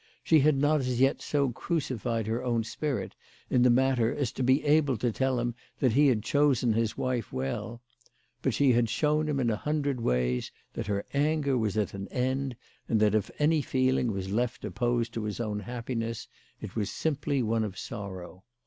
She had not as yet so crucified her own spirit in the matter as to be able to tell him that he had chosen his wife well ; but she had shown him in a hundred ways that her anger was at an end, and that if any feeling was left opposed to his own happiness, it was simply one of sorrow.